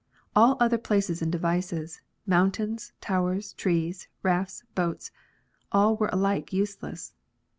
All other places and devices, mountains, towers, trees, rafts, boats, all were alike useless.